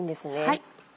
はい。